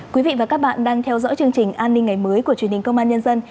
quý vị và các bạn đang theo dõi chương trình an ninh ngày mới của truyền hình công an nhân dân